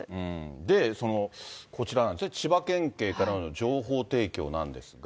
で、こちらなんですね、千葉県警からの情報提供なんですが。